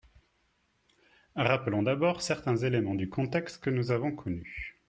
Rappelons d’abord certains éléments du contexte que nous avons connu.